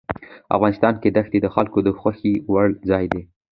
افغانستان کې ښتې د خلکو د خوښې وړ ځای دی.